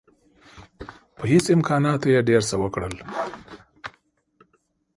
په هیڅ نه امکاناتو یې ډېر څه وکړل.